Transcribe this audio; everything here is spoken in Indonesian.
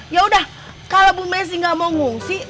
yaudah kalau bu messi nggak mau ngungsi